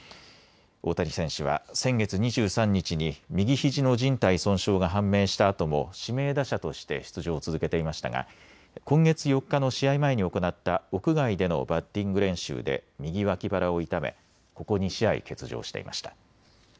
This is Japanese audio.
大谷選手は先月２３日に右ひじのじん帯損傷が判明したあとも指名打者として出場を続けていましたが今月４日の試合前に行った屋外でのバッティング練習で右脇腹を痛めここ２試合、欠場していました。